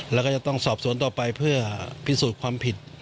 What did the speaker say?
แล้วก็จะต้องสอบสวนต่อไปเพื่อพิสูจน์ความผิด